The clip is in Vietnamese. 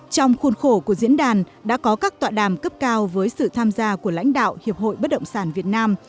trong khuôn khổ của diễn đàn đã có các tọa đàm cấp cao với sự tham gia của lãnh đạo hiệp hội bất động sản việt nam